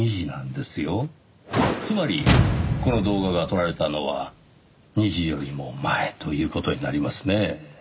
つまりこの動画が撮られたのは２時よりも前という事になりますねぇ。